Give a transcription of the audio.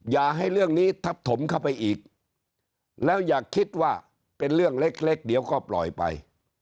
อย่าให้เรื่องนี้ทับถมเข้าไปอีกแล้วอย่าคิดว่าเป็นเรื่องเล็กเดี๋ยวก็ปล่อยไป